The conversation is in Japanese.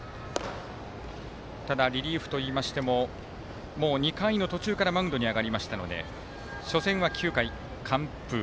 ただ、リリーフといいましてももう２回の途中からマウンドに上がりましたので初戦は９回完封。